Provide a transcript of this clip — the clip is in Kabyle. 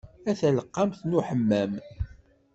A taleqqamt n uḥemmam.